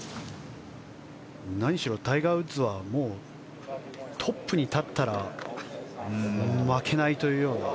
何しろタイガー・ウッズはトップに立ったら負けないというような。